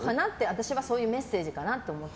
私はそういうメッセージかなって。